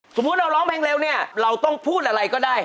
สมมุติเราร้องเพลงเร็วเนี่ยเราต้องพูดอะไรก็ได้